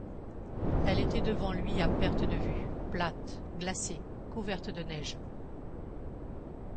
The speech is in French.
Elle était devant lui à perte de vue, plate, glacée, couverte de neige.